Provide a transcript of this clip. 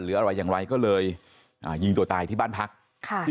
หรืออะไรอย่างไรก็เลยอ่ายิงตัวตายที่บ้านพักค่ะที่